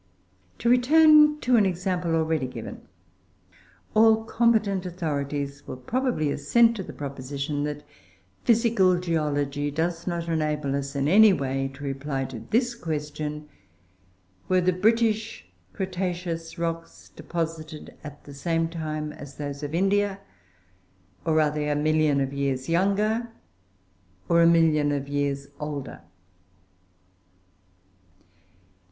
To return to an example already given: All competent authorities will probably assent to the proposition that physical geology does not enable us in any way to reply to this question Were the British Cretaceous rocks deposited at the same time as those of India, or are they a million of years younger or a million of years older?